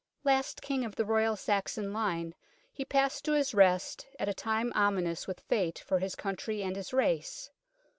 Last King of the Royal Saxon line, he passed to his rest at a time ominous with fate for his country and his race.